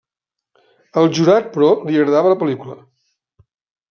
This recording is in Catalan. Al jurat, però, li agradava la pel·lícula.